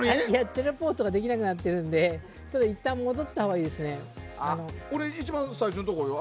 テレポートができなくなっているのでいったん戻ったほうがいいですね。